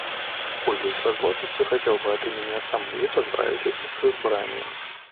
Пользуясь возможностью, хотел бы от имени Ассамблеи поздравить их с избранием.